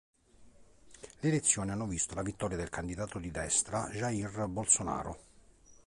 Le elezioni hanno visto la vittoria del candidato di destra Jair Bolsonaro.